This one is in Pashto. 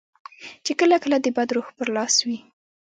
چې کله کله د بد روح پر لاس وي.